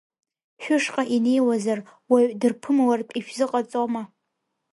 Шәышҟа инеиуазар, уаҩ дырԥымлартә ишәзыҟаҵома?